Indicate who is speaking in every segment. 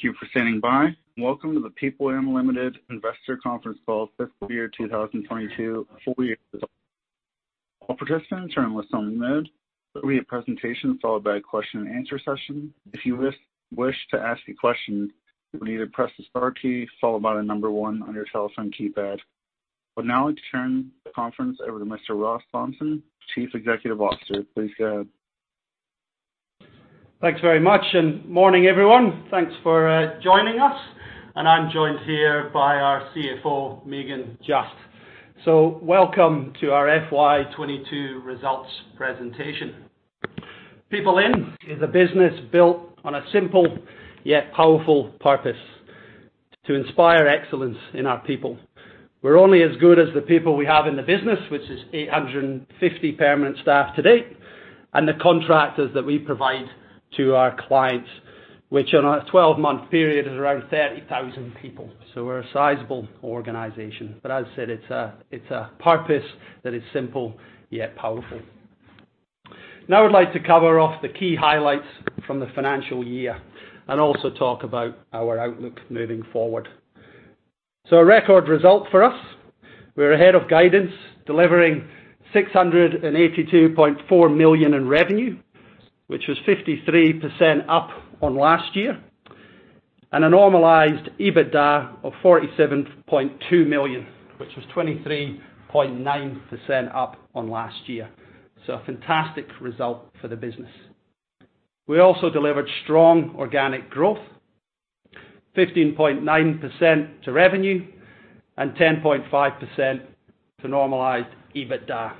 Speaker 1: Thank you for standing by. Welcome to the PeopleIN Limited Investor Conference Call, Fiscal Year 2022 Full Year Results. All participants are in listen only mode. There will be a presentation followed by a question and answer session. If you wish to ask a question, you would either press the star key followed by the number one on your telephone keypad. I would now like to turn the conference over to Mr. Ross Thompson, Chief Executive Officer. Please go ahead.
Speaker 2: Thanks very much. Good morning, everyone. Thanks for joining us, and I'm joined here by our CFO, Megan Just. Welcome to our FY 2022 results presentation. PeopleIN is a business built on a simple yet powerful purpose: to inspire excellence in our people. We're only as good as the people we have in the business, which is 850 permanent staff today, and the contractors that we provide to our clients, which on a 12-month period is around 30,000 people. We're a sizable organization, but as I said, it's a purpose that is simple yet powerful. Now I'd like to cover off the key highlights from the financial year and also talk about our outlook moving forward. A record result for us. We're ahead of guidance, delivering 682.4 million in revenue, which was 53% up on last year, and a normalized EBITDA of 47.2 million, which was 23.9% up on last year. A fantastic result for the business. We also delivered strong organic growth, 15.9% to revenue and 10.5% to normalized EBITDA.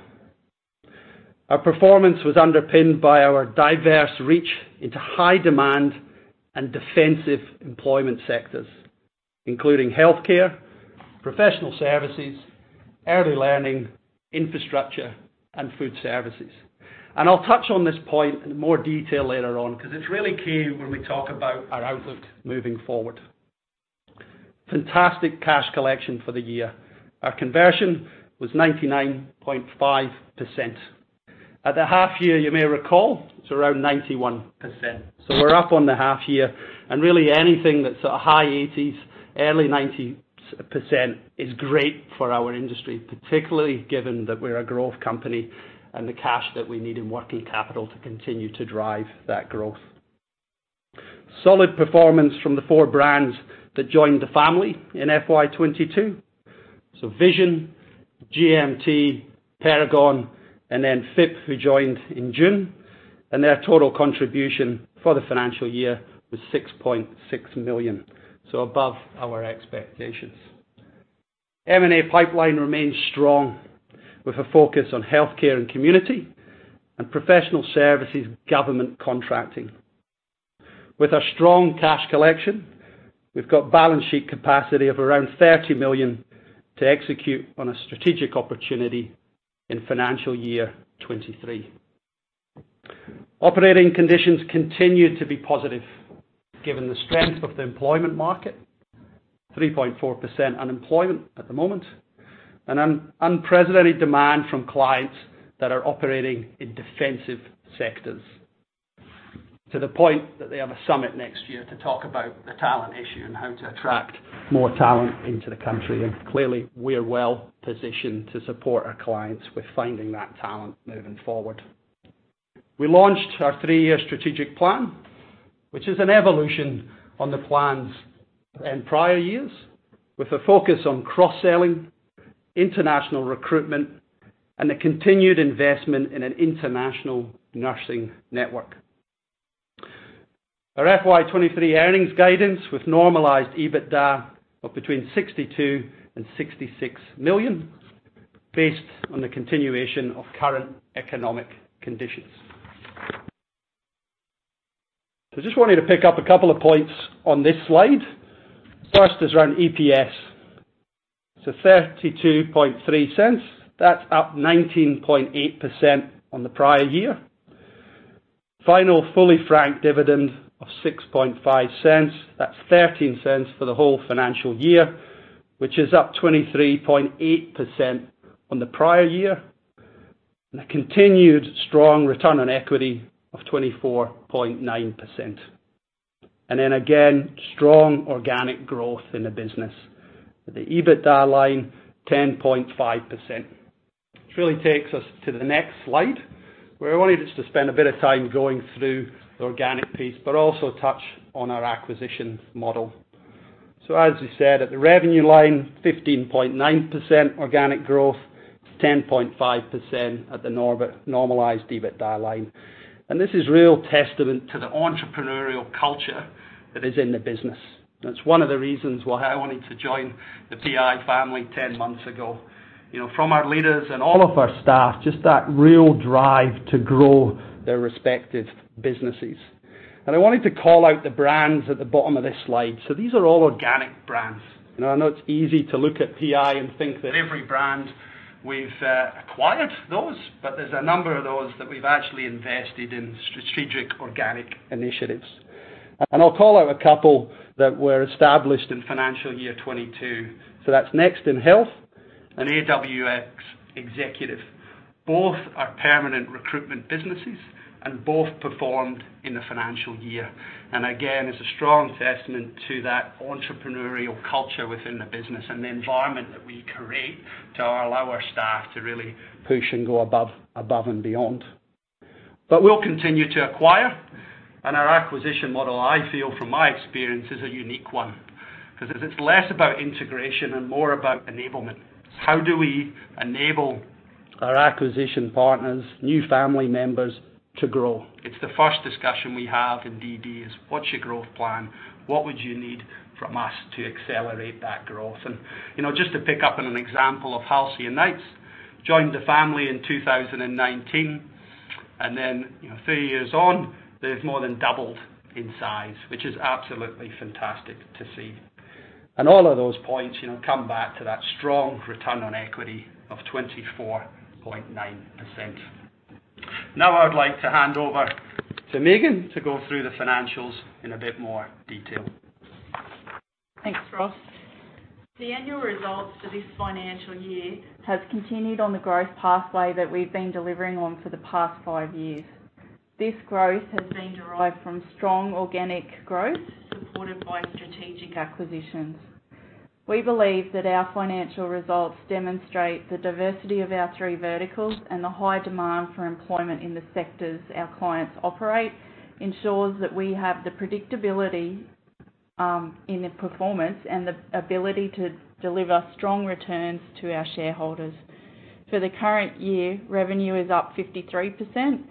Speaker 2: Our performance was underpinned by our diverse reach into high demand and defensive employment sectors, including healthcare, professional services, early learning, infrastructure, and food services. I'll touch on this point in more detail later on because it's really key when we talk about our outlook moving forward. Fantastic cash collection for the year. Our conversion was 99.5%. At the half year, you may recall, it was around 91%. We're up on the half year and really anything that's sort of high 80s, early 90s% is great for our industry, particularly given that we're a growth company and the cash that we need in working capital to continue to drive that growth. Solid performance from the four brands that joined the family in FY 2022. Vision Survey, GMT People, Paragon, and then FIP, who joined in June, and their total contribution for the financial year was 6.6 million. Above our expectations. M&A pipeline remains strong with a focus on healthcare and community and professional services government contracting. With our strong cash collection, we've got balance sheet capacity of around 30 million to execute on a strategic opportunity in financial year 2023. Operating conditions continued to be positive given the strength of the employment market, 3.4% unemployment at the moment, and an unprecedented demand from clients that are operating in defensive sectors, to the point that they have a summit next year to talk about the talent issue and how to attract more talent into the country. Clearly, we are well-positioned to support our clients with finding that talent moving forward. We launched our three-year strategic plan, which is an evolution on the plans in prior years with a focus on cross-selling, international recruitment, and the continued investment in an international nursing network. Our FY 2023 earnings guidance with normalized EBITDA of between 62 million-66 million based on the continuation of current economic conditions. I just want you to pick up a couple of points on this slide. First is around EPS. The 32.3 cents. That's up 19.8% on the prior year. Final fully franked dividend of 0.065. That's 0.13 for the whole financial year, which is up 23.8% on the prior year. A continued strong return on equity of 24.9%. Again, strong organic growth in the business. The EBITDA line, 10.5%, which really takes us to the next slide, where I wanted just to spend a bit of time going through the organic piece, but also touch on our acquisition model. So as we said, at the revenue line, 15.9% organic growth, 10.5% at the normalized EBITDA line. This is real testament to the entrepreneurial culture that is in the business. That's one of the reasons why I wanted to join the PI family 10 months ago. You know, from our leaders and all of our staff, just that real drive to grow their respective businesses. And I wanted to call out the brands at the bottom of this slide. These are all organic brands. You know, I know it's easy to look at PI and think that every brand we've acquired those, but there's a number of those that we've actually invested in strategic organic initiatives. I'll call out a couple that were established in financial year 2022. That's Next in Health and AWX Executive. Both are permanent recruitment businesses and both performed in the financial year. Again, it's a strong testament to that entrepreneurial culture within the business and the environment that we create to allow our staff to really push and go above and beyond. But we'll continue to acquire and our acquisition model, I feel from my experience, is a unique one 'cause it's less about integration and more about enablement. How do we enable our acquisition partners, new family members to grow? It's the first discussion we have in DD, is what's your growth plan? What would you need from us to accelerate that growth? You know, just to pick up on an example of Halcyon Knights, joined the family in 2019, and then, you know, three years on, they've more than doubled in size, which is absolutely fantastic to see. And all of those points, you know, come back to that strong return on equity of 24.9%. Now I'd like to hand over to Megan to go through the financials in a bit more detail.
Speaker 3: Thanks, Ross. The annual results for this financial year has continued on the growth pathway that we've been delivering on for the past five years. This growth has been derived from strong organic growth supported by strategic acquisitions. We believe that our financial results demonstrate the diversity of our three verticals and the high demand for employment in the sectors our clients operate ensures that we have the predictability, in the performance and the ability to deliver strong returns to our shareholders. For the current year, revenue is up 53%,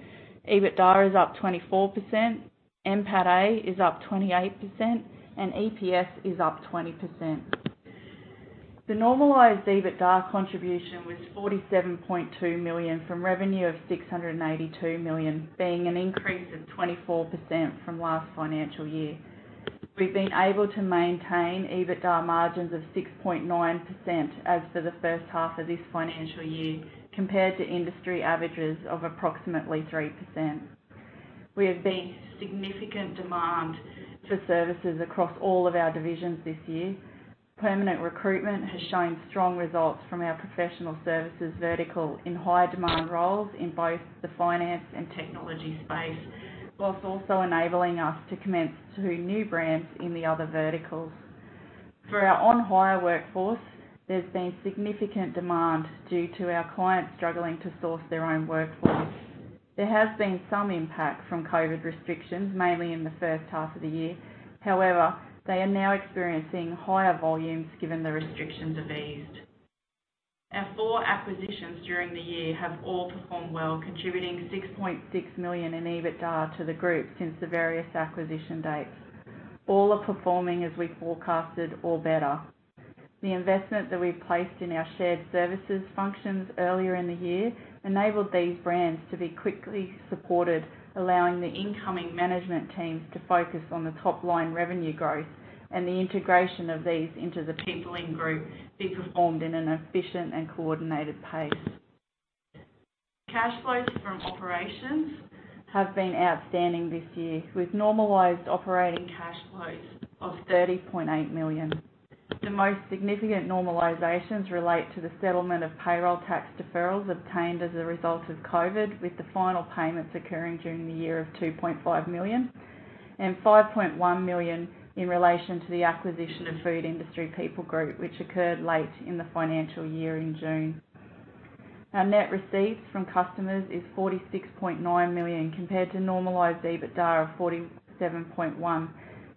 Speaker 3: EBITDA is up 24%, NPATA is up 28%, and EPS is up 20%. The normalized EBITDA contribution was 47.2 million from revenue of 682 million, being an increase of 24% from last financial year. We've been able to maintain EBITDA margins of 6.9% as at the first half of this financial year compared to industry averages of approximately 3%. We have seen significant demand for services across all of our divisions this year. Permanent recruitment has shown strong results from our professional services vertical in high-demand roles in both the finance and technology space, while also enabling us to commence two new brands in the other verticals. For our on-hire workforce, there's been significant demand due to our clients struggling to source their own workforce. There has been some impact from COVID restrictions, mainly in the first half of the year. However, they are now experiencing higher volumes given the restrictions have eased. Our four acquisitions during the year have all performed well, contributing 6.6 million in EBITDA to the group since the various acquisition dates. All are performing as we forecasted or better. The investment that we've placed in our shared services functions earlier in the year enabled these brands to be quickly supported, allowing the incoming management teams to focus on the top-line revenue growth and the integration of these into the PeopleIN group be performed in an efficient and coordinated pace. Cash flows from operations have been outstanding this year, with normalized operating cash flows of 30.8 million. The most significant normalizations relate to the settlement of payroll tax deferrals obtained as a result of COVID, with the final payments occurring during the year of 2.5 million and 5.1 million in relation to the acquisition of Food Industry People Group, which occurred late in the financial year in June. Our net receipts from customers is 46.9 million compared to normalized EBITDA of 47.1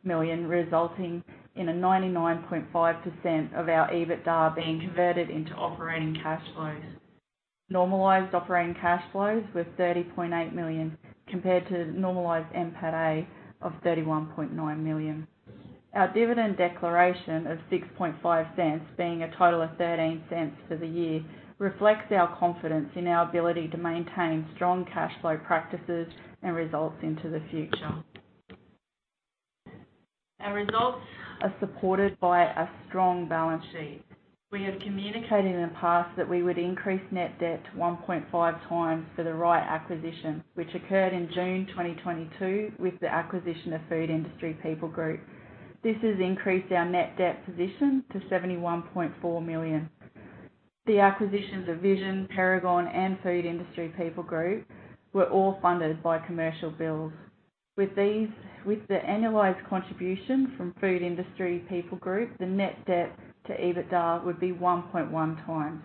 Speaker 3: million, resulting in a 99.5% of our EBITDA being converted into operating cash flows. Normalized operating cash flows were 30.8 million compared to normalized NPATA of 31.9 million. Our dividend declaration of 0.065, being a total of 0.13 for the year, reflects our confidence in our ability to maintain strong cash flow practices and results into the future. Our results are supported by a strong balance sheet. We have communicated in the past that we would increase net debt to 1.5x for the right acquisition, which occurred in June 2022 with the acquisition of Food Industry People Group. This has increased our net debt position to 71.4 million. The acquisitions of Vision, Paragon, and Food Industry People Group were all funded by commercial bills. With the annualized contribution from Food Industry People Group, the net debt to EBITDA would be 1.1x.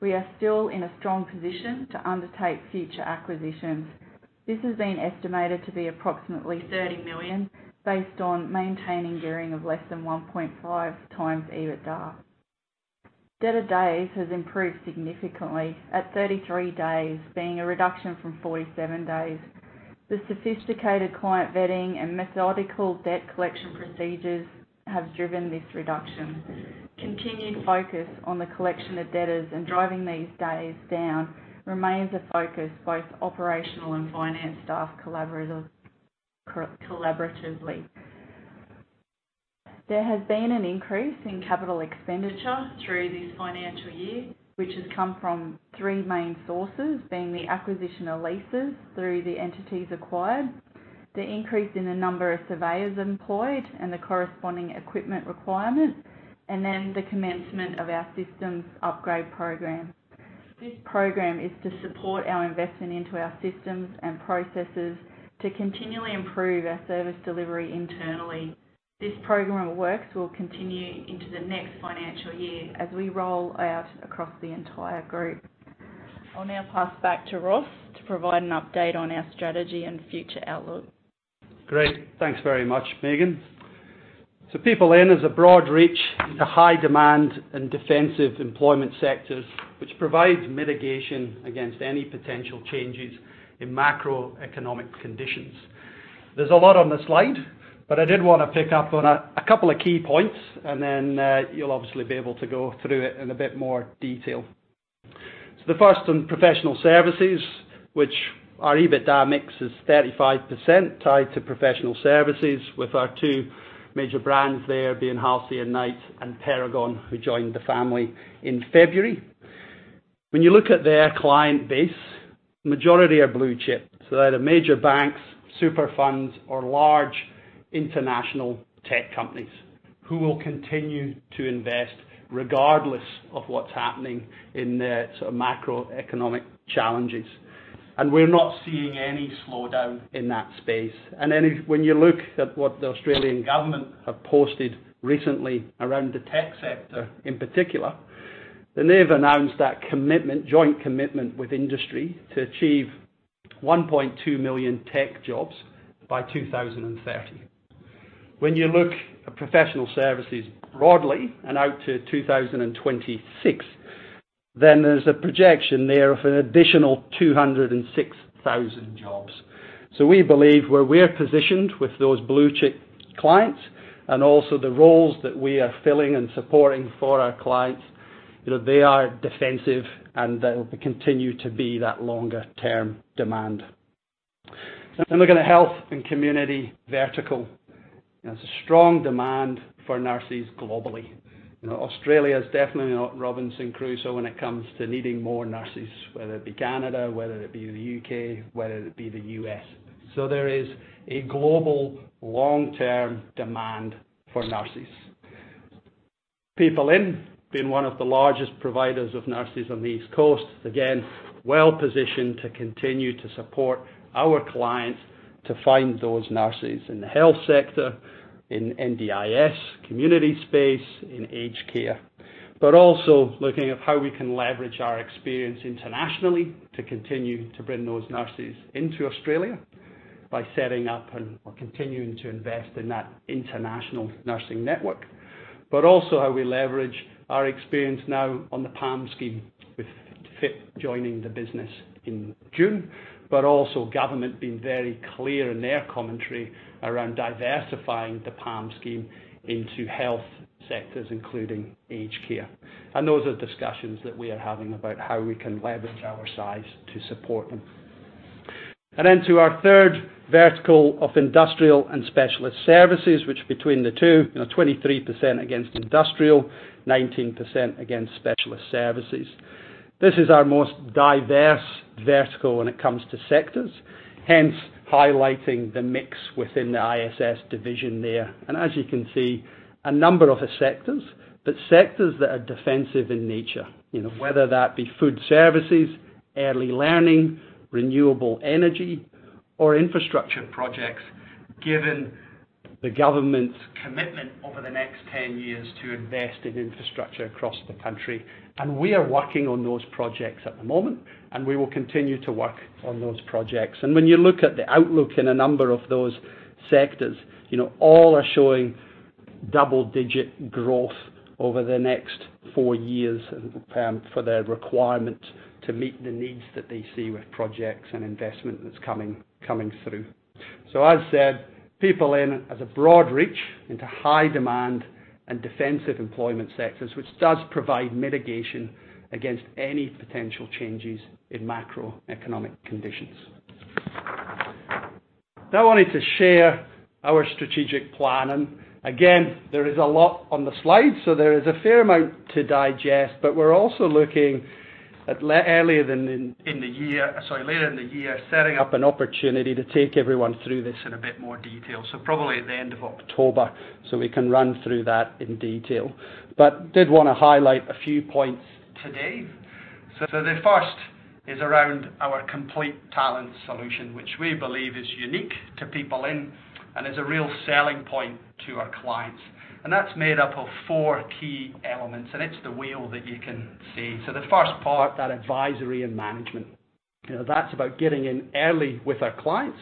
Speaker 3: We are still in a strong position to undertake future acquisitions. This has been estimated to be approximately 30 million based on maintaining gearing of less than 1.5x EBITDA. Debtor days has improved significantly at 33 days, being a reduction from 47 days. The sophisticated client vetting and methodical debt collection procedures have driven this reduction. Continued focus on the collection of debtors and driving these days down remains a focus, both operational and finance staff collaboratively. There has been an increase in capital expenditure through this fiscal year, which has come from three main sources, being the acquisition of leases through the entities acquired. The increase in the number of surveyors employed and the corresponding equipment requirement, and then the commencement of our systems upgrade program. This program is to support our investment into our systems and processes to continually improve our service delivery internally. This program of works will continue into the next fiscal year as we roll out across the entire group. I'll now pass back to Ross to provide an update on our strategy and future outlook.
Speaker 2: Great. Thanks very much, Megan. So PeopleIN is a broad reach into high demand and defensive employment sectors, which provides mitigation against any potential changes in macroeconomic conditions. There's a lot on the slide, but I did wanna pick up on a couple of key points, and then you'll obviously be able to go through it in a bit more detail. The first on professional services, which our EBITDA mix is 35% tied to professional services with our two major brands there being Halcyon Knights and Paragon, who joined the family in February. When you look at their client base, majority are blue chip, so out of major banks, super funds, or large international tech companies who will continue to invest regardless of what's happening in the sort of macroeconomic challenges. We're not seeing any slowdown in that space. When you look at what the Australian government have posted recently around the tech sector in particular, then they've announced that commitment, joint commitment with industry to achieve 1.2 million tech jobs by 2030. When you look at professional services broadly and out to 2026, then there's a projection there of an additional 206,000 jobs. We believe where we're positioned with those blue chip clients and also the roles that we are filling and supporting for our clients, you know, they are defensive and they'll continue to be that longer term demand. Looking at health and community vertical. There's a strong demand for nurses globally. You know, Australia is definitely not Robinson Crusoe when it comes to needing more nurses, whether it be Canada, whether it be the U.K., whether it be the U.S. There is a global long-term demand for nurses. PeopleIN, being one of the largest providers of nurses on the East Coast, again, well-positioned to continue to support our clients to find those nurses in the health sector, in NDIS community space, in aged care. Also looking at how we can leverage our experience internationally to continue to bring those nurses into Australia by setting up and, or continuing to invest in that international nursing network. Also how we leverage our experience now on the PALM scheme with FIP joining the business in June. Also government being very clear in their commentary around diversifying the PALM scheme into health sectors, including aged care. Those are discussions that we are having about how we can leverage our size to support them. To our third vertical of Industrial and Specialist Services, which between the two, you know, 23% against industrial, 19% against specialist services. This is our most diverse vertical when it comes to sectors, hence highlighting the mix within the ISS division there. And as you can see, a number of the sectors, but sectors that are defensive in nature, you know, whether that be food services, early learning, renewable energy or infrastructure projects, given the government's commitment over the next 10 years to invest in infrastructure across the country. We are working on those projects at the moment, and we will continue to work on those projects. When you look at the outlook in a number of those sectors, you know, all are showing double-digit growth over the next four years for their requirement to meet the needs that they see with projects and investment that's coming through. So as said, PeopleIN has a broad reach into high demand and defensive employment sectors, which does provide mitigation against any potential changes in macroeconomic conditions. Now, I wanted to share our strategic plan. Again, there is a lot on the slide, so there is a fair amount to digest, but we're also looking at later in the year, setting up an opportunity to take everyone through this in a bit more detail. Probably at the end of October, so we can run through that in detail. Did wanna highlight a few points today. The first is around our complete talent solution, which we believe is unique to PeopleIN and is a real selling point to our clients. That's made up of four key elements, and it's the wheel that you can see. The first part, that advisory and management. You know, that's about getting in early with our clients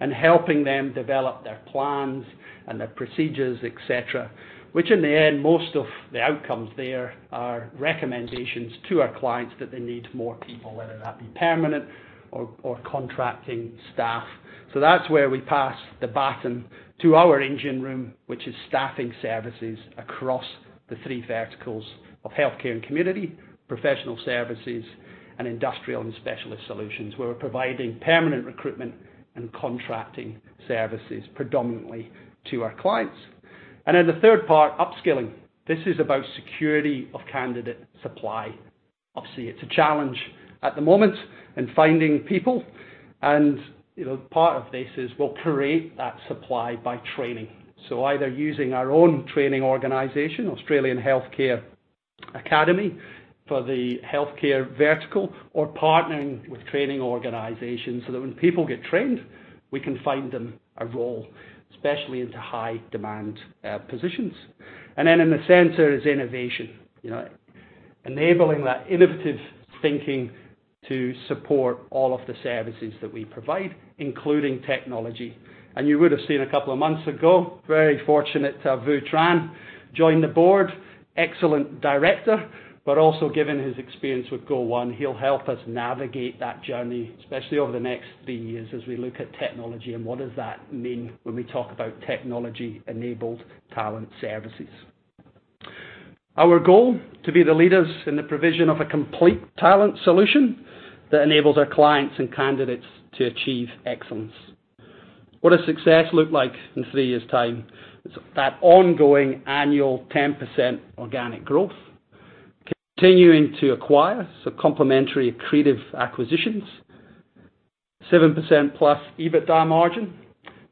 Speaker 2: and helping them develop their plans and their procedures, et cetera, which in the end, most of the outcomes there are recommendations to our clients that they need more people, whether that be permanent or contracting staff. That's where we pass the baton to our engine room, which is staffing services across the three verticals of healthcare and community, professional services, and industrial and specialist solutions, where we're providing permanent recruitment and contracting services predominantly to our clients. Then the third part, upskilling. This is about security of candidate supply. Obviously, it's a challenge at the moment in finding people, and, you know, part of this is we'll create that supply by training. Either using our own training organization, Australian Healthcare Academy, for the healthcare vertical, or partnering with training organizations so that when people get trained, we can find them a role, especially into high-demand positions. And in the center is innovation, you know, enabling that innovative thinking to support all of the services that we provide, including technology. You would have seen a couple of months ago, very fortunate to have Vu Tran join the board, excellent director, but also given his experience with Go1, he'll help us navigate that journey, especially over the next three years as we look at technology and what does that mean when we talk about technology-enabled talent services. Our goal, to be the leaders in the provision of a complete talent solution that enables our clients and candidates to achieve excellence. What does success look like in three years' time? It's that ongoing annual 10% organic growth. Continuing to acquire, so complementary accretive acquisitions. 7%+ EBITDA margin,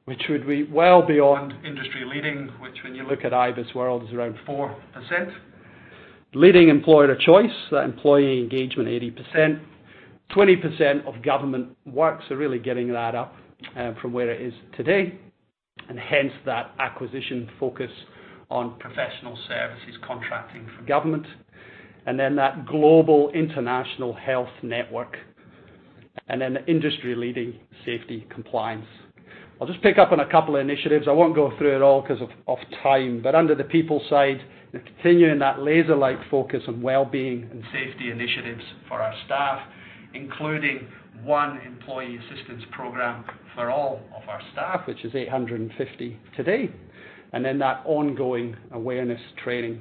Speaker 2: which would be well beyond industry-leading, which when you look at IBISWorld is around 4%. Leading employer of choice, that employee engagement 80%. 20% of government works are really getting that up, from where it is today, and hence that acquisition focus on professional services contracting for government. Then that global international health network, and then the industry-leading safety compliance. I'll just pick up on a couple of initiatives. I won't go through it all 'cause of time. Under the people side, we're continuing that laser-like focus on well-being and safety initiatives for our staff, including one employee assistance program for all of our staff, which is 850 today and that ongoing awareness training.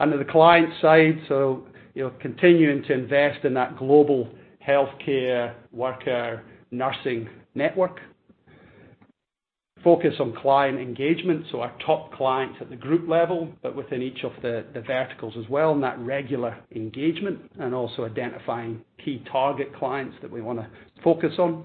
Speaker 2: Under the client side, so, you know, continuing to invest in that global healthcare worker nursing network. Focus on client engagement, so our top clients at the group level, but within each of the verticals as well, and that regular engagement and also identifying key target clients that we wanna focus on.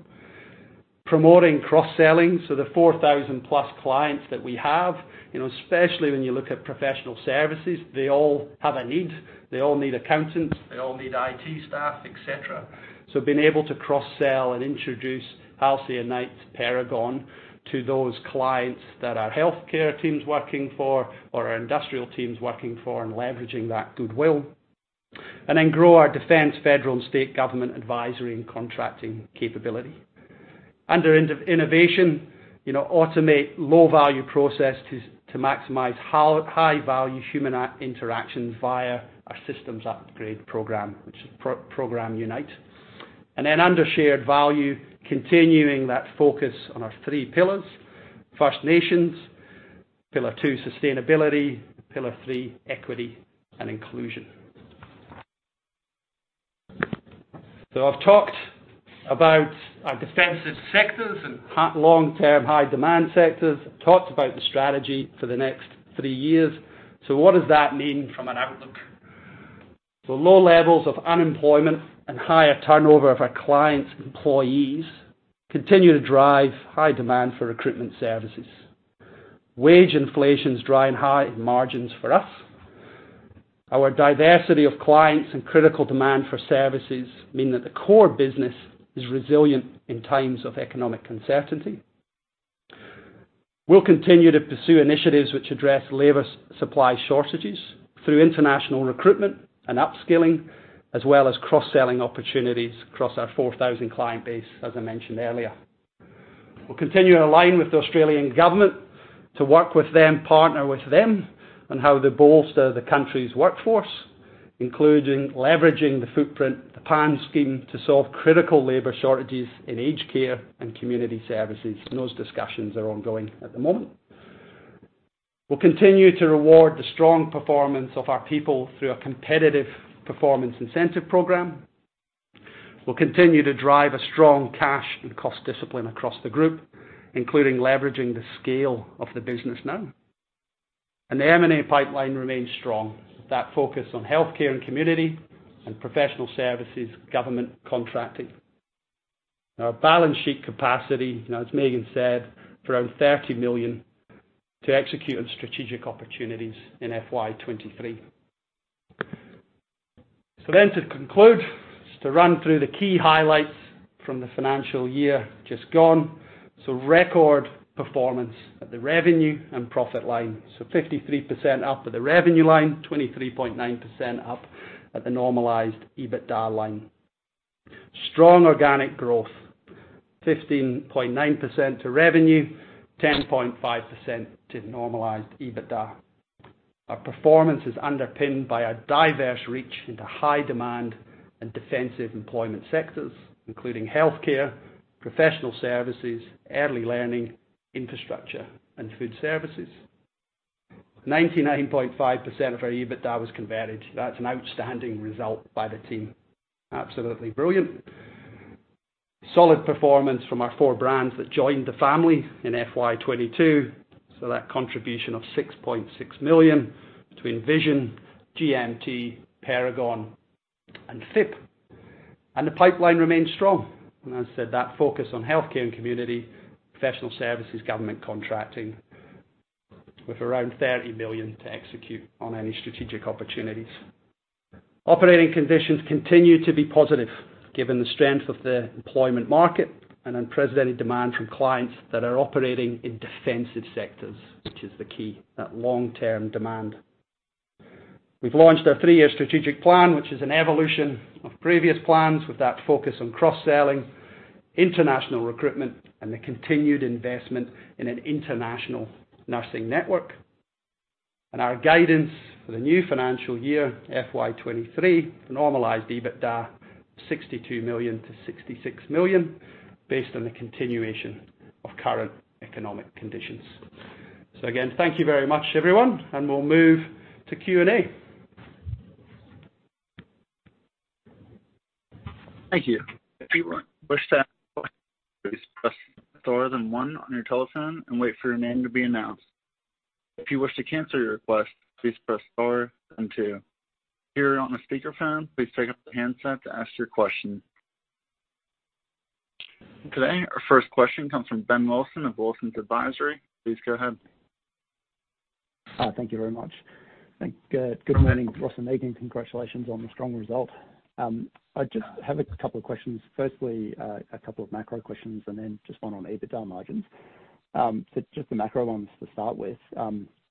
Speaker 2: Promoting cross-selling, so the 4,000+ clients that we have, you know, especially when you look at professional services, they all have a need. They all need accountants, they all need IT staff, et cetera. So being able to cross-sell and introduce Halcyon Knights and Paragon to those clients that our healthcare team's working for or our industrial team's working for and leveraging that goodwill. Grow our defense, federal, and state government advisory and contracting capability. Under innovation, you know, automate low-value processes to maximize high-value human interactions via our systems upgrade program, which is Program Unite. Under shared value, continuing that focus on our three pillars, First Nations, pillar two, sustainability, pillar three, equity and inclusion. I've talked about our defensive sectors and long-term high-demand sectors. I've talked about the strategy for the next three years. What does that mean from an outlook? Low levels of unemployment and higher turnover of our clients' employees continue to drive high demand for recruitment services. Wage inflation is driving high margins for us. Our diversity of clients and critical demand for services mean that the core business is resilient in times of economic uncertainty. We'll continue to pursue initiatives which address labor supply shortages through international recruitment and upskilling, as well as cross-selling opportunities across our 4,000 client base, as I mentioned earlier. We'll continue to align with the Australian government to work with them, partner with them on how to bolster the country's workforce, including leveraging the footprint, the PALM scheme, to solve critical labor shortages in aged care and community services. Those discussions are ongoing at the moment. We'll continue to reward the strong performance of our people through a competitive performance incentive program. We'll continue to drive a strong cash and cost discipline across the group, including leveraging the scale of the business now. And the M&A pipeline remains strong. That focus on healthcare, community, and professional services, government contracting. Our balance sheet capacity, you know, as Megan said, for around 30 million to execute on strategic opportunities in FY 2023. To conclude, just to run through the key highlights from the financial year just gone. Record performance at the revenue and profit line. 53% up at the revenue line, 23.9% up at the normalized EBITDA line. Strong organic growth. 15.9% to revenue, 10.5% to normalized EBITDA. Our performance is underpinned by a diverse reach into high-demand and defensive employment sectors, including healthcare, professional services, early learning, infrastructure, and food services. 99.5% of our EBITDA was converted. That's an outstanding result by the team. Absolutely brilliant. Solid performance from our four brands that joined the family in FY 2022. That contribution of 6.6 million between Vision, GMT, Paragon, and FIP. The pipeline remains strong. As I said, that focus on healthcare and community, professional services, government contracting with around 30 million to execute on any strategic opportunities. Operating conditions continue to be positive given the strength of the employment market and unprecedented demand from clients that are operating in defensive sectors, which is the key, that long-term demand. We've launched our three-year strategic plan, which is an evolution of previous plans, with that focus on cross-selling, international recruitment, and the continued investment in an international nursing network. Our guidance for the new financial year, FY 2023, normalized EBITDA of 62 million-66 million based on the continuation of current economic conditions. Again, thank you very much, everyone, and we'll move to Q&A.
Speaker 1: Thank you. If you wish to, please press star then one on your telephone and wait for your name to be announced. If you wish to cancel your request, please press star then two. If you're on a speakerphone, please pick up the handset to ask your question. Today, our first question comes from Ben Wilson of Wilsons Advisory. Please go ahead.
Speaker 4: Thank you very much. Good morning to Ross and Megan. Congratulations on the strong result. I just have a couple of questions. Firstly, a couple of macro questions and then just one on EBITDA margins. Just the macro ones to start with.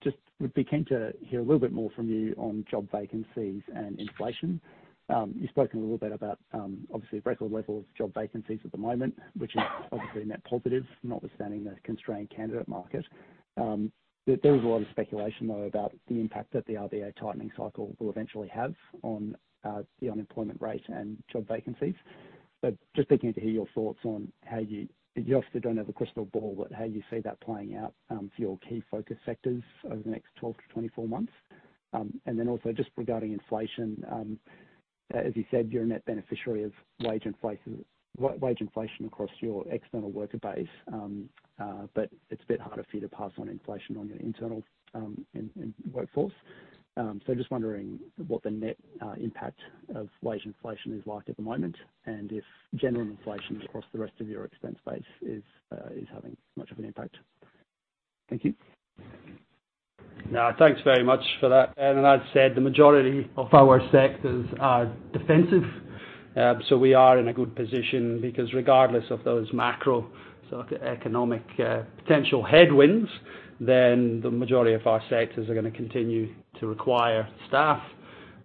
Speaker 4: Just we'd be keen to hear a little bit more from you on job vacancies and inflation. You've spoken a little bit about, obviously record levels of job vacancies at the moment, which is obviously a net positive, notwithstanding the constrained candidate market. There is a lot of speculation, though, about the impact that the RBA tightening cycle will eventually have on the unemployment rate and job vacancies. Just looking to hear your thoughts on how you. You obviously don't have a crystal ball, but how do you see that playing out for your key focus sectors over the next 12-24 months? Also just regarding inflation, as you said, you're a net beneficiary of wage inflation across your external worker base. But it's a bit harder for you to pass on inflation on your internal workforce. Just wondering what the net impact of wage inflation is like at the moment, and if general inflation across the rest of your expense base is having much of an impact. Thank you.
Speaker 2: No, thanks very much for that. As I said, the majority of our sectors are defensive. We are in a good position because regardless of those macro sort of economic potential headwinds, then the majority of our sectors are gonna continue to require staff.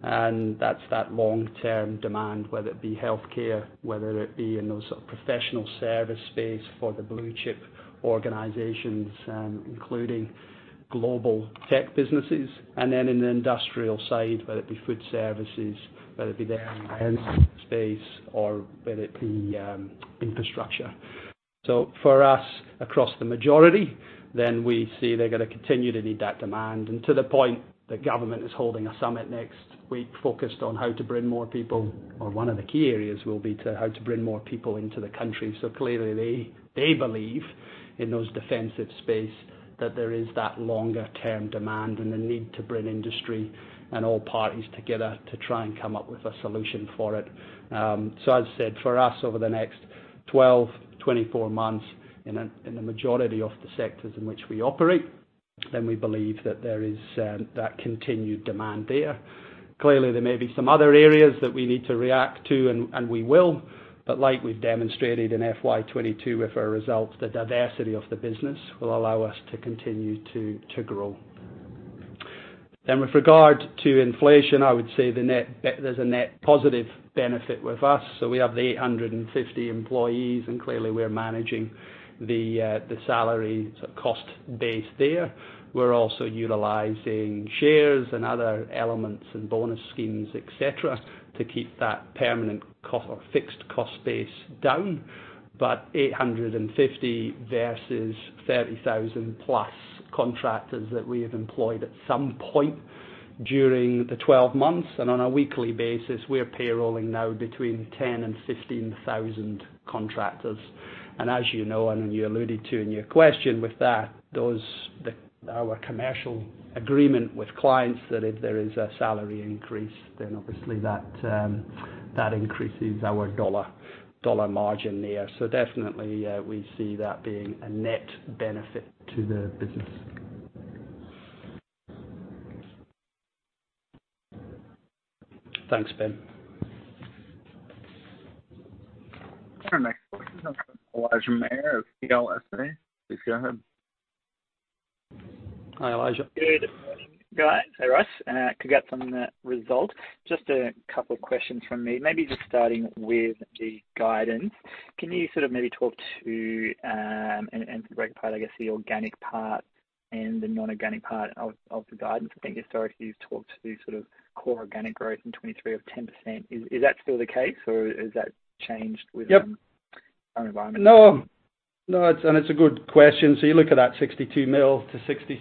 Speaker 2: That's that long-term demand, whether it be healthcare, whether it be in those sort of professional service space for the blue chip organizations, including global tech businesses. In the industrial side, whether it be food services, whether it be the space or whether it be infrastructure. For us, across the majority, then we see they're gonna continue to need that demand. To the point that government is holding a summit next week focused on how to bring more people, or one of the key areas will be to how to bring more people into the country. Clearly they believe in those defensive space that there is that longer term demand and the need to bring industry and all parties together to try and come up with a solution for it. As I said, for us over the next 12, 24 months in a majority of the sectors in which we operate, we believe that there is that continued demand there. Clearly, there may be some other areas that we need to react to and we will. Like we've demonstrated in FY 2022 with our results, the diversity of the business will allow us to continue to grow. And with regard to inflation, I would say there's a net positive benefit with us. We have the 850 employees, and clearly we're managing the salary cost base there. We're also utilizing shares and other elements and bonus schemes, et cetera, to keep that permanent or fixed cost base down. But 850 versus 30,000+ contractors that we have employed at some point during the 12 months. On a weekly basis, we're payrolling now between 10 and 15,000 contractors. As you know, and you alluded to in your question with that, our commercial agreement with clients that if there is a salary increase, then obviously that increases our dollar-for-dollar margin there. We definitely see that being a net benefit to the business. Thanks, Ben.
Speaker 1: Our next question comes from Elijah Mayr of CLSA. Please go ahead.
Speaker 2: Hi, Elijah.
Speaker 5: Good morning, guys. Hey, Ross. Congrats on the result. Just a couple of questions from me. Maybe just starting with the guidance. Can you sort of maybe talk to and break apart, I guess, the organic part and the non-organic part of the guidance? I think historically you've talked to sort of core organic growth in 23 of 10%. Is that still the case or has that changed with-
Speaker 2: Yep
Speaker 5: our environment?
Speaker 2: No, it's, and it's a good question. You look at that 62 million-66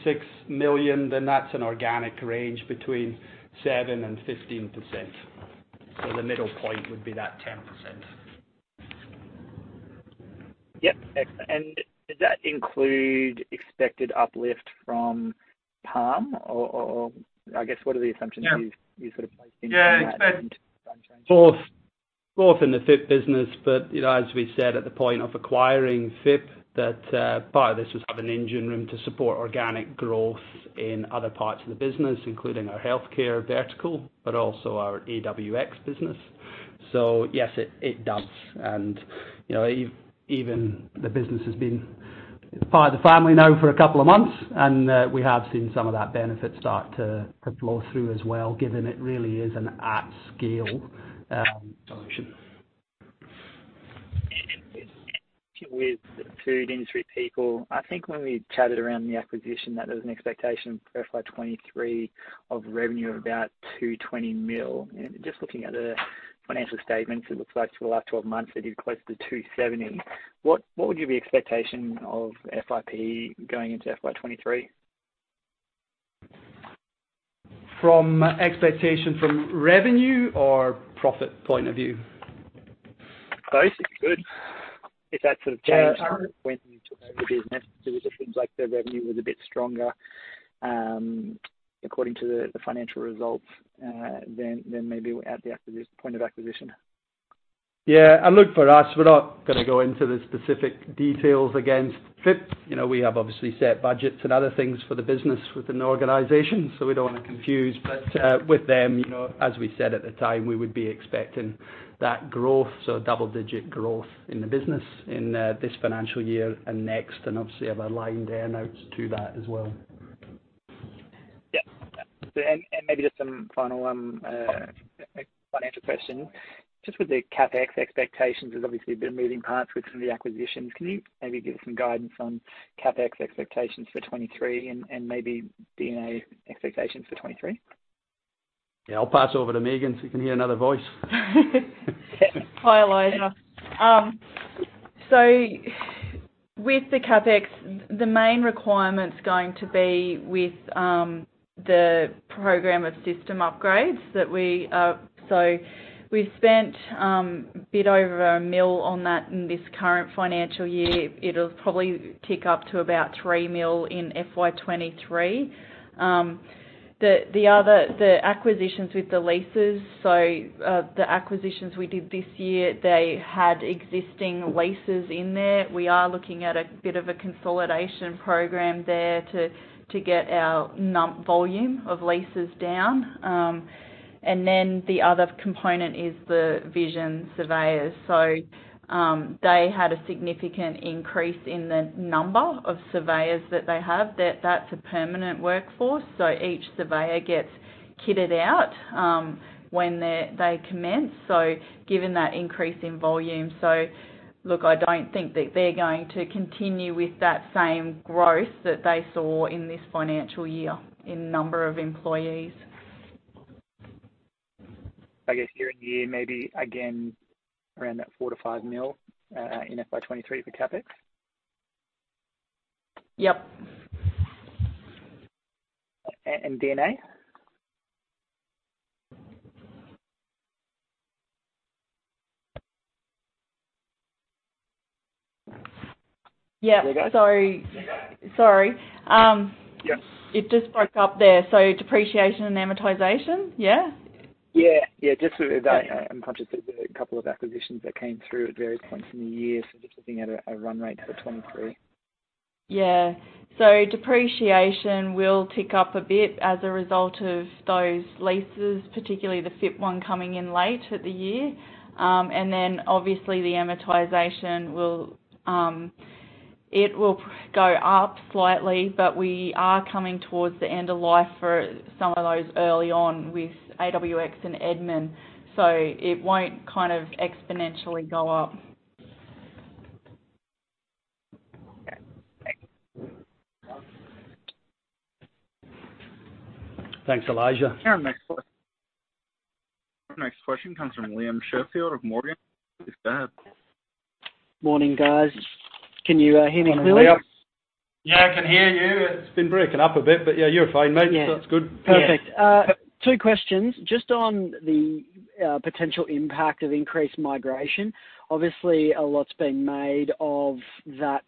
Speaker 2: million, then that's an organic range between 7% and 15%. The middle point would be that 10%.
Speaker 5: Yep. Excellent. Did that include expected uplift from PALM or I guess what are the assumptions?
Speaker 2: Yeah
Speaker 5: you sort of placed into that
Speaker 2: Both in the FIP business. You know, as we said at the point of acquiring FIP, that part of this was to have an engine room to support organic growth in other parts of the business, including our healthcare vertical, but also our AWX business. Yes, it does. You know, even the business has been part of the family now for a couple of months, and we have seen some of that benefit start to flow through as well, given it really is an at-scale solution.
Speaker 5: With Food Industry People, I think when we chatted around the acquisition that there's an expectation for FY 2023 of revenue of about 220 million. Just looking at the financial statements, it looks like for the last 12 months it is closer to 270 million. What would your expectation be of FIP going into FY 2023?
Speaker 2: From expectations from revenue or profit point of view?
Speaker 5: Both, if you could. If that sort of changed.
Speaker 2: Uh-
Speaker 5: from when you took over the business. Because it seems like the revenue was a bit stronger, according to the financial results, than maybe at the point of acquisition.
Speaker 2: Yeah. Look for us, we're not gonna go into the specific details against FIP. You know, we have obviously set budgets and other things for the business within the organization, so we don't wanna confuse. But with them, you know, as we said at the time, we would be expecting that growth, so double-digit growth in the business in this financial year and next. Obviously have our line-item notes to that as well.
Speaker 5: Maybe just some final financial question. Just with the CapEx expectations, there's obviously a bit of moving parts with some of the acquisitions. Can you maybe give some guidance on CapEx expectations for 2023 and maybe D&A expectations for 2023?
Speaker 2: Yeah. I'll pass over to Megan so you can hear another voice.
Speaker 3: Hi, Elijah. With the CapEx, the main requirement's going to be with the program of system upgrades. We've spent a bit over 1 million on that in this current financial year. It'll probably tick up to about 3 million in FY 2023. The other acquisitions with the leases, the acquisitions we did this year, they had existing leases in there. We are looking at a bit of a consolidation program there to get our volume of leases down. The other component is the Vision Surveys. They had a significant increase in the number of surveyors that they have, that's a permanent workforce, so each surveyor gets kitted out when they commence. Given that increase in volume, so look, I don't think that they're going to continue with that same growth that they saw in this financial year in number of employees.
Speaker 5: I guess year-over-year, maybe again around that 4 million-5 million in FY 2023 for CapEx.
Speaker 3: Yep.
Speaker 5: D&A?
Speaker 3: Yeah.
Speaker 5: There you go.
Speaker 3: Sorry.
Speaker 5: There you go.
Speaker 3: Sorry.
Speaker 5: Yeah.
Speaker 3: It just broke up there. Depreciation and amortization. Yeah.
Speaker 5: Just so that I'm conscious of the couple of acquisitions that came through at various points in the year. Just looking at a run rate for 2023.
Speaker 3: Depreciation will tick up a bit as a result of those leases, particularly the FIP one coming in late in the year. Obviously the amortization will go up slightly, but we are coming towards the end of life for some of those early on with AWX and Edmen, so it won't kind of exponentially go up.
Speaker 5: Okay. Thanks.
Speaker 2: Thanks, Elijah.
Speaker 1: Our next question comes from Liam Schofield of Morgans. Please go ahead.
Speaker 6: Morning, guys. Can you hear me clearly?
Speaker 2: Morning, Liam. Yeah, I can hear you. It's been breaking up a bit, but yeah, you're fine, mate.
Speaker 6: Yeah.
Speaker 2: That's good.
Speaker 6: Perfect. Two questions. Just on the potential impact of increased migration. Obviously, a lot's been made of that,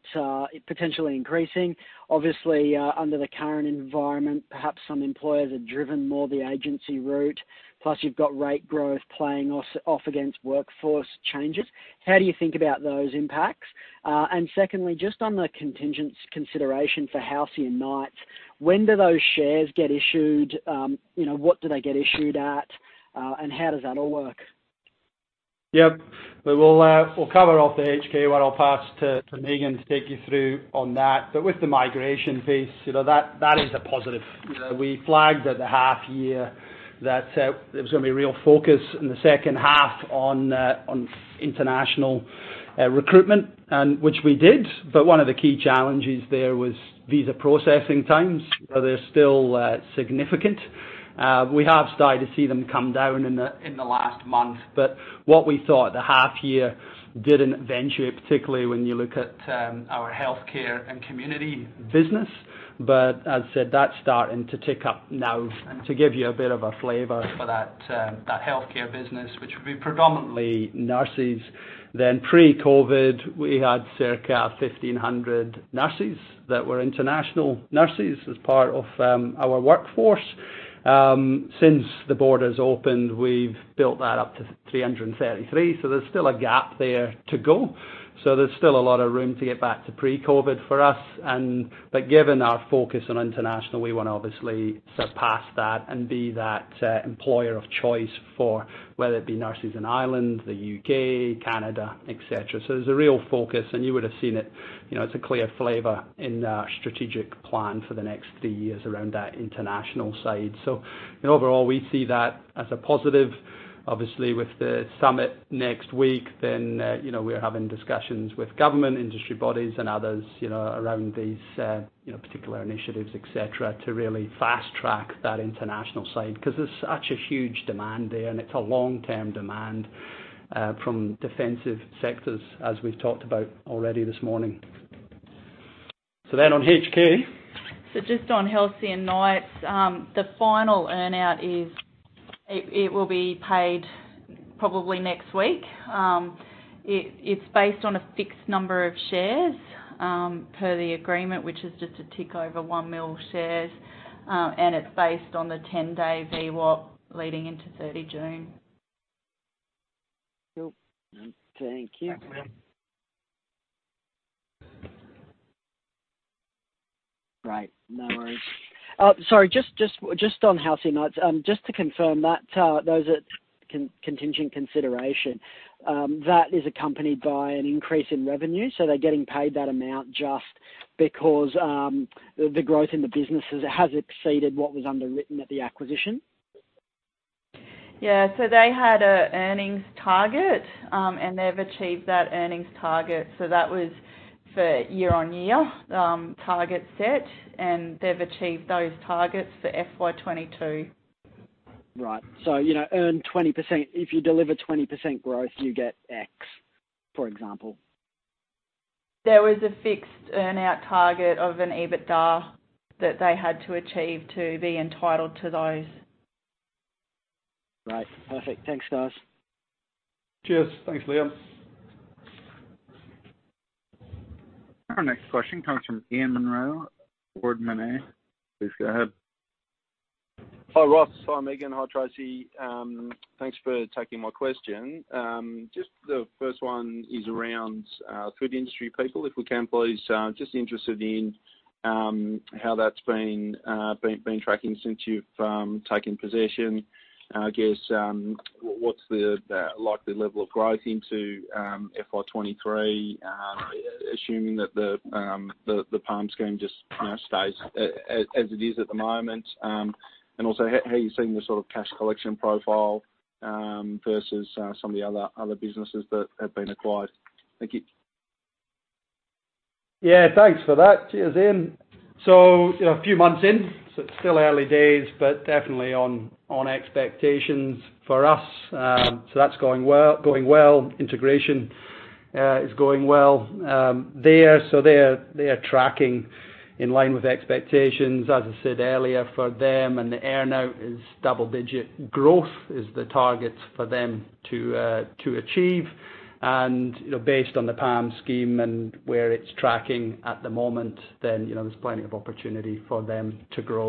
Speaker 6: potentially increasing. Obviously, under the current environment, perhaps some employers are driven more the agency route, plus you've got rate growth playing off against workforce changes. How do you think about those impacts? And secondly, just on the contingent consideration for Halcyon Knights, when do those shares get issued? You know, what do they get issued at? And how does that all work?
Speaker 2: Yep. We'll cover off the HK, which I'll pass to Megan to take you through on that. With the migration piece, you know, that is a positive. You know, we flagged at the half year that there was gonna be real focus in the second half on international recruitment, and which we did. One of the key challenges there was visa processing times. So they're still significant. We have started to see them come down in the last month, but what we thought the half year didn't eventuate, particularly when you look at our healthcare and community business. As I said, that's starting to tick up now. To give you a bit of a flavor for that healthcare business, which would be predominantly nurses. Pre-COVID, we had circa 1,500 nurses that were international nurses as part of our workforce. Since the borders opened, we've built that up to 333, so there's still a gap there to go. There's still a lot of room to get back to pre-COVID for us, but given our focus on international, we wanna obviously surpass that and be that employer of choice for whether it be nurses in Ireland, the U.K., Canada, et cetera. There's a real focus, and you would have seen it, you know, it's a clear flavor in our strategic plan for the next three years around our international side. In overall, we see that as a positive, obviously, with the summit next week, then, you know, we're having discussions with government, industry bodies and others, you know, around these, you know, particular initiatives, et cetera, to really fast-track that international side because there's such a huge demand there, and it's a long-term demand, from defensive sectors, as we've talked about already this morning. Then on HK.
Speaker 3: Just on Halcyon Knights, the final earn-out will be paid probably next week. It's based on a fixed number of shares, per the agreement, which is just a tick over 1 million shares, and it's based on the 10-day VWAP leading into 30 June.
Speaker 6: Cool. Thank you.
Speaker 2: That's all right.
Speaker 6: Great. No worries. Sorry, just on Halcyon Knights. Just to confirm that, those are contingent consideration that is accompanied by an increase in revenue. They're getting paid that amount just because the growth in the business has exceeded what was underwritten at the acquisition.
Speaker 3: They had an earnings target, and they've achieved that earnings target. That was for year-on-year target set, and they've achieved those targets for FY 2022.
Speaker 6: Right. You know, earn 20%. If you deliver 20% growth, you get X, for example.
Speaker 3: There was a fixed earn-out target of an EBITDA that they had to achieve to be entitled to those.
Speaker 6: Right. Perfect. Thanks, guys.
Speaker 2: Cheers. Thanks, Liam.
Speaker 1: Our next question comes from Ian Munro, Ord Minnett. Please go ahead.
Speaker 7: Hi, Ross. Hi, Megan. Hi, Tracey. Thanks for taking my question. Just the first one is around Food Industry People, if we can please. Just interested in how that's been tracking since you've taken possession. I guess, what's the likely level of growth into FY 2023, assuming that the PALM scheme just, you know, stays as it is at the moment. Also, how are you seeing the sort of cash collection profile versus some of the other businesses that have been acquired. Thank you.
Speaker 2: Yeah. Thanks for that. Cheers, Ian. You know, a few months in, so it's still early days, but definitely on expectations for us. That's going well. Integration is going well there. They are tracking in line with expectations, as I said earlier, for them. The earn-out is double-digit growth is the target for them to achieve. You know, based on the PALM scheme and where it's tracking at the moment, you know, there's plenty of opportunity for them to grow.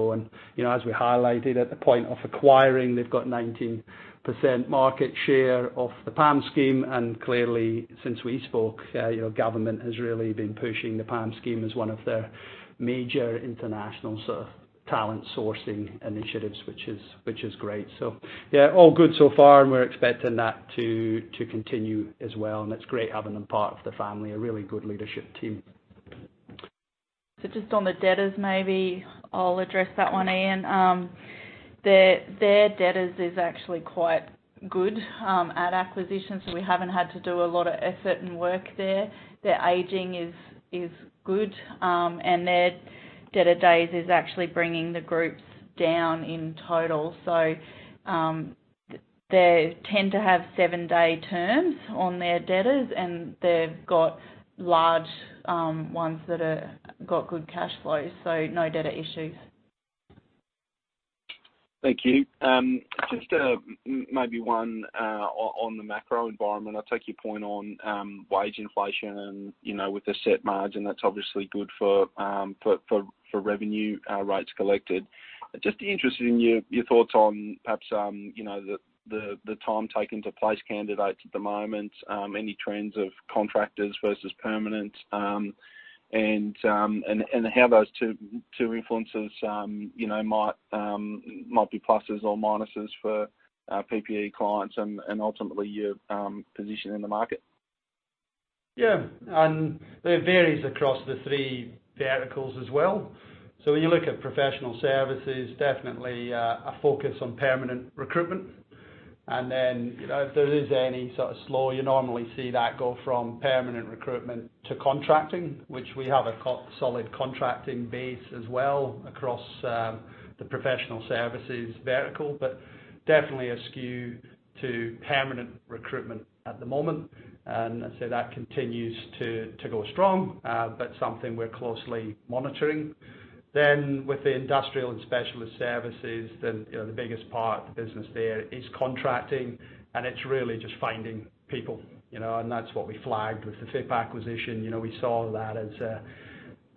Speaker 2: You know, as we highlighted at the point of acquiring, they've got 19% market share of the PALM scheme. Clearly, since we spoke, you know, government has really been pushing the PALM scheme as one of their major international sort of talent sourcing initiatives, which is great. Yeah, all good so far, and we're expecting that to continue as well. It's great having them part of the family, a really good leadership team.
Speaker 3: Just on the debtors, maybe I'll address that one, Ian. Their debtors is actually quite good at acquisition. We haven't had to do a lot of effort and work there. Their aging is good, and their debtor days is actually bringing the groups down in total. They tend to have seven-day terms on their debtors, and they've got large ones that got good cash flow. No debtor issues.
Speaker 7: Thank you. Just maybe one on the macro environment. I take your point on wage inflation and, you know, with the net margin, that's obviously good for revenue rates collected. Just interested in your thoughts on perhaps, you know, the time taken to place candidates at the moment, any trends of contractors versus permanent, and how those two influences, you know, might be pluses or minuses for PPE clients and ultimately your position in the market.
Speaker 2: Yeah. It varies across the three verticals as well. When you look at professional services, definitely, a focus on permanent recruitment. Then, you know, if there is any sort of slowdown, you normally see that go from permanent recruitment to contracting, which we have a solid contracting base as well across, the professional services vertical. But definitely a skew to permanent recruitment at the moment. And as I say, that continues to go strong, but something we're closely monitoring. With the industrial and specialist services, you know, the biggest part of the business there is contracting, and it's really just finding people, you know. That's what we flagged with the FIP acquisition. You know, we saw that as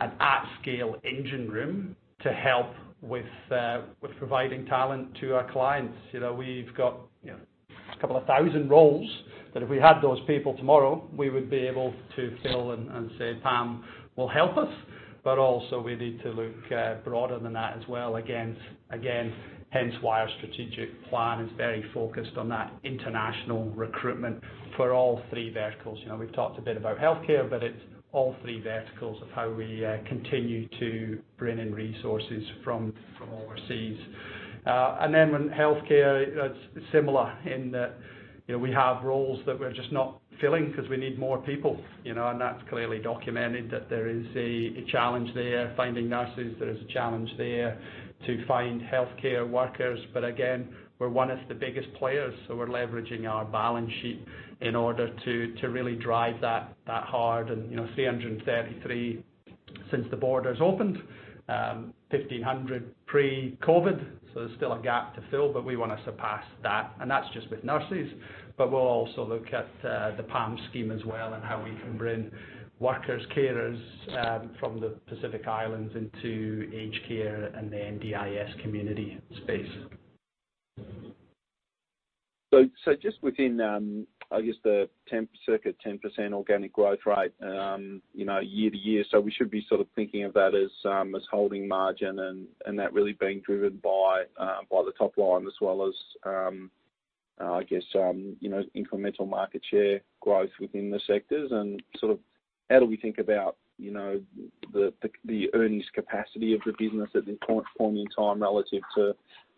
Speaker 2: an at-scale engine room to help with providing talent to our clients. You know, we've got a couple of thousand roles that if we had those people tomorrow, we would be able to fill and say PALM will help us, but also we need to look broader than that as well, again, hence why our strategic plan is very focused on that international recruitment for all three verticals. You know, we've talked a bit about healthcare, but it's all three verticals of how we continue to bring in resources from overseas. With healthcare, it's similar in that, you know, we have roles that we're just not filling 'cause we need more people, you know. That's clearly documented that there is a challenge there finding nurses. There is a challenge there to find healthcare workers. But again, we're one of the biggest players, so we're leveraging our balance sheet in order to really drive that hard and, you know, 333 since the borders opened. Fifteen hundred pre-COVID, so there's still a gap to fill, but we wanna surpass that. That's just with nurses. We'll also look at the PALM scheme as well and how we can bring workers, carers, from the Pacific Islands into aged care and the NDIS community space.
Speaker 7: Just within, I guess the 10, circa 10% organic growth rate, you know, year-over-year. We should be sort of thinking of that as holding margin and that really being driven by the top line as well as, I guess, you know, incremental market share growth within the sectors. How do we think about, you know, the earnings capacity of the business at this point in time relative to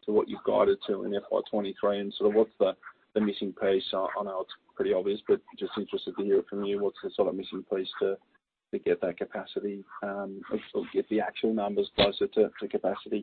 Speaker 7: what you've guided to in FY 2023, and sort of what's the missing piece? I know it's pretty obvious, but just interested to hear it from you, what's the sort of missing piece to get that capacity, or get the actual numbers closer to capacity?
Speaker 2: Yeah.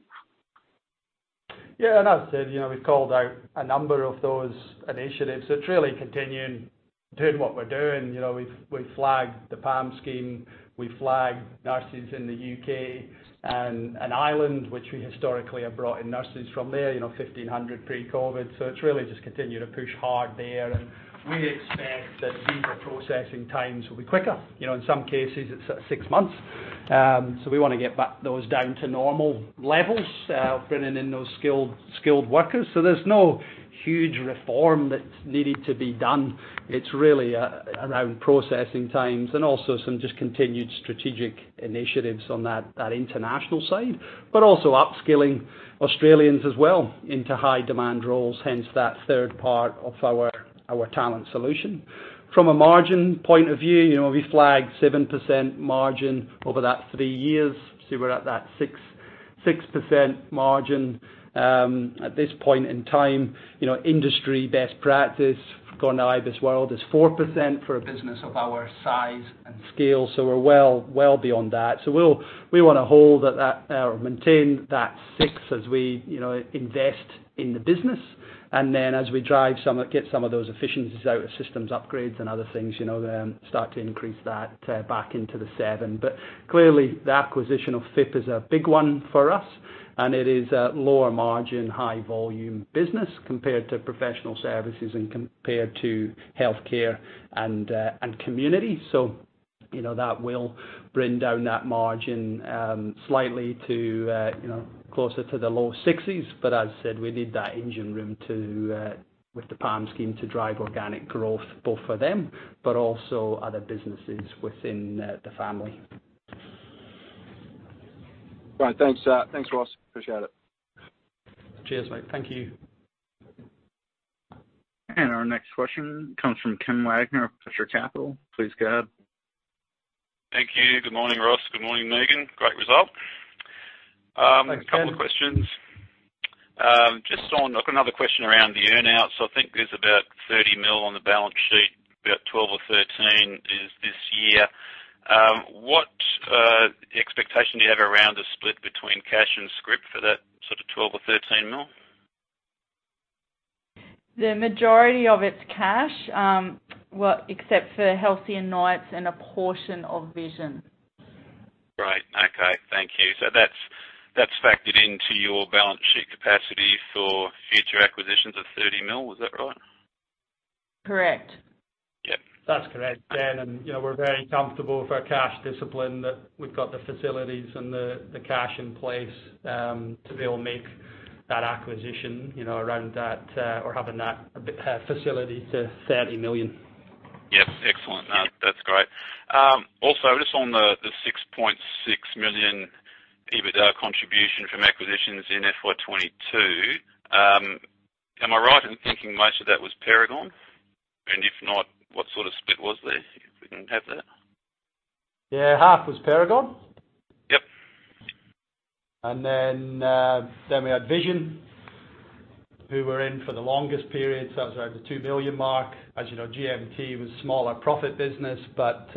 Speaker 2: As I said, you know, we've called out a number of those initiatives. It's really continuing doing what we're doing. You know, we've flagged the PALM scheme, we've flagged nurses in the U.K. and Ireland, which we historically have brought in nurses from there, you know, 1,500 pre-COVID. It's really just continuing to push hard there. We expect that visa processing times will be quicker. You know, in some cases it's at six months. We wanna get back those down to normal levels of bringing in those skilled workers. There's no huge reform that's needed to be done. It's really around processing times and also some just continued strategic initiatives on that international side, but also upskilling Australians as well into high-demand roles, hence that third part of our talent solution. From a margin point of view, you know, we flagged 7% margin over that three years. We're at that 6% margin. At this point in time, you know, industry best practice, according to IBISWorld, is 4% for a business of our size and scale. We're well, well beyond that. We wanna hold at that or maintain that 6% as we, you know, invest in the business. Then as we get some of those efficiencies out of systems upgrades and other things, you know, then start to increase that back into the 7%. Clearly, the acquisition of FIP is a big one for us, and it is a lower margin, high volume business compared to professional services and compared to healthcare and community. You know, that will bring down that margin slightly to, you know, closer to the low 6s%. As I said, we need that engine room to with the PALM scheme to drive organic growth both for them, but also other businesses within the family.
Speaker 7: Right. Thanks, Ross. Appreciate it.
Speaker 2: Cheers, mate. Thank you.
Speaker 1: Our next question comes from [Ken Fisher of Foster Stockbroking] Please go ahead.
Speaker 8: Thank you. Good morning, Ross. Good morning, Megan. Great result.
Speaker 2: Thanks, Ken.
Speaker 8: A couple of questions. Just on, I've got another question around the earn-out. I think there's about 30 million on the balance sheet, about 12 or 13 million is this year. What expectation do you have around a split between cash and scrip for that sort of 12 or 13 million?
Speaker 3: The majority of it's cash. Well, except for Halcyon and Knights and a portion of Vision.
Speaker 8: Right. Okay. Thank you. That's factored into your balance sheet capacity for future acquisitions of 30 million. Is that right?
Speaker 3: Correct.
Speaker 8: Yep.
Speaker 2: That's correct, Ken. You know, we're very comfortable with our cash discipline, that we've got the facilities and the cash in place to be able to make that acquisition, you know, around that or having that facility to 30 million.
Speaker 8: Yep. Excellent. No, that's great. Also, just on the 6.6 million EBITDA contribution from acquisitions in FY 2022, am I right in thinking most of that was Paragon? And if not, what sort of split was there, if we can have that?
Speaker 2: Yeah, half was Paragon.
Speaker 8: Yep.
Speaker 2: We had Vision who were in for the longest period, so that was around the 2 million mark. As you know, GMT was smaller profit business, but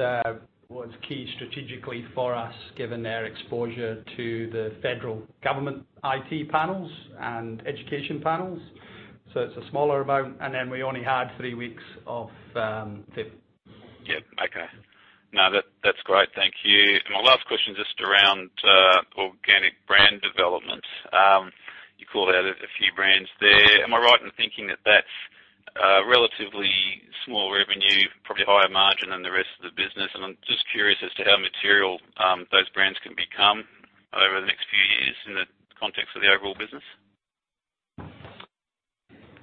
Speaker 2: was key strategically for us given their exposure to the federal government IT panels and education panels. It's a smaller amount, and then we only had three weeks of FIP.
Speaker 8: Yeah. Okay. No, that's great. Thank you. My last question, just around organic brand development. You called out a few brands there. Am I right in thinking that that's a relatively small revenue, probably higher margin than the rest of the business? I'm just curious as to how material those brands can become over the next few years in the context of the overall business.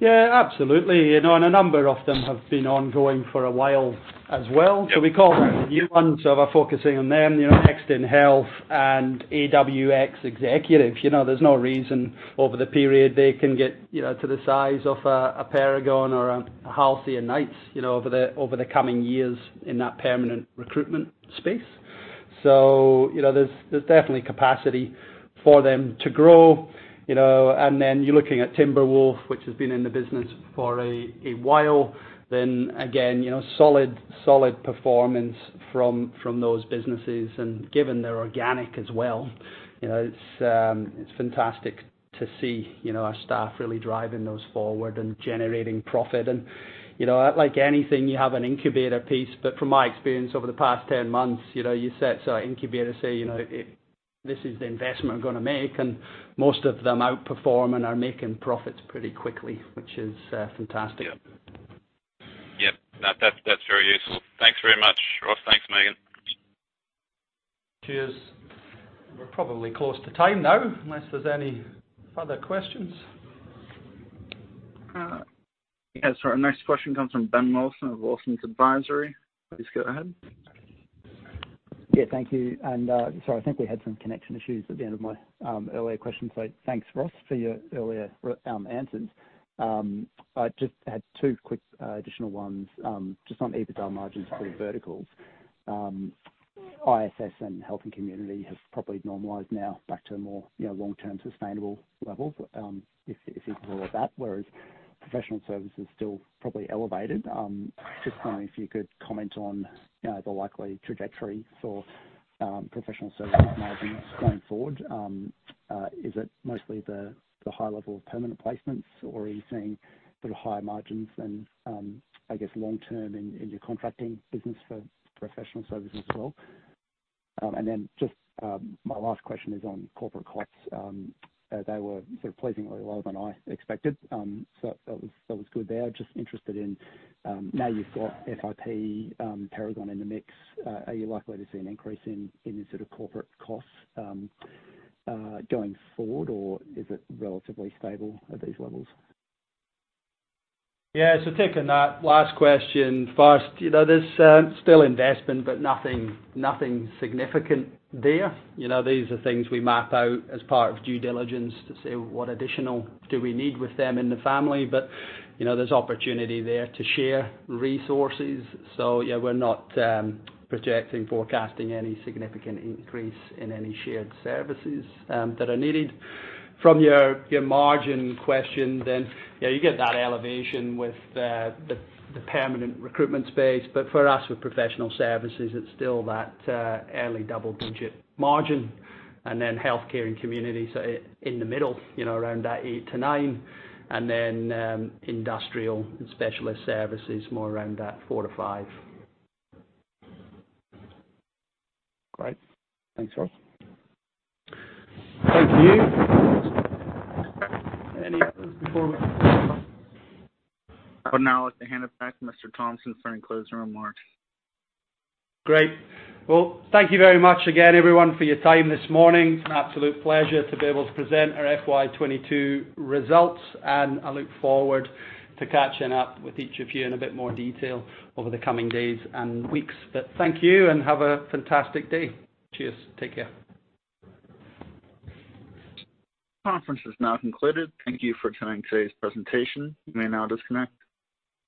Speaker 2: Yeah, absolutely. You know, a number of them have been ongoing for a while as well. We call them the new ones, so we're focusing on them, you know, Next in Health and AWX Executive. You know, there's no reason over the period they can get, you know, to the size of a Paragon or a Halcyon Knights, you know, over the coming years in that permanent recruitment space. You know, there's definitely capacity for them to grow, you know. You're looking at Timberwolf, which has been in the business for a while. Again, you know, solid performance from those businesses. Given they're organic as well, you know, it's fantastic to see, you know, our staff really driving those forward and generating profit. You know, like anything, you have an incubator piece, but from my experience over the past 10 months, you know, you set our incubator to say, you know, this is the investment we're gonna make, and most of them outperform and are making profits pretty quickly, which is fantastic.
Speaker 8: Yep. No, that's very useful. Thanks very much, Ross. Thanks, Megan.
Speaker 2: Cheers. We're probably close to time now, unless there's any further questions.
Speaker 1: Our next question comes from Ben Wilson of Wilsons Advisory. Please go ahead.
Speaker 4: Yeah, thank you. Sorry, I think we had some connection issues at the end of my earlier question. Thanks, Ross, for your earlier answers. I just had two quick additional ones just on EBITDA margins for the verticals. ISS and Health and Community have probably normalized now back to a more, you know, long-term sustainable level, if equal or better, whereas Professional Services is still probably elevated. Just wondering if you could comment on, you know, the likely trajectory for Professional Services margins going forward. Is it mostly the high level of permanent placements, or are you seeing sort of higher margins than I guess long-term in your contracting business for Professional Services as well? Then just my last question is on corporate costs. They were sort of pleasingly lower than I expected. That was good there. Just interested in now you've got FIP, Paragon in the mix, are you likely to see an increase in your sort of corporate costs going forward, or is it relatively stable at these levels?
Speaker 2: Yeah. Taking that last question first, you know, there's still investment, but nothing significant there. You know, these are things we map out as part of due diligence to say what additional do we need with them in the family. But you know, there's opportunity there to share resources. Yeah, we're not projecting, forecasting any significant increase in any shared services that are needed. From your margin question then, yeah, you get that elevation with the permanent recruitment space. But for us, with Professional Services, it's still that early double-digit margin. Then Healthcare and Community, so in the middle, you know, around that 8%-9%. Then Industrial and Specialist Services, more around that 4%-5%.
Speaker 4: Great. Thanks, Ross.
Speaker 2: Thank you. Any before.
Speaker 1: I would now like to hand it back to Mr. Thompson for any closing remarks.
Speaker 2: Great. Well, thank you very much again, everyone, for your time this morning. An absolute pleasure to be able to present our FY 2022 results, and I look forward to catching up with each of you in a bit more detail over the coming days and weeks. Thank you, and have a fantastic day. Cheers. Take care.
Speaker 1: Conference is now concluded. Thank you for attending today's presentation. You may now disconnect.